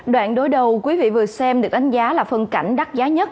đoạn đối đầu quý vị vừa xem được đánh giá là phân cảnh đắt giá nhất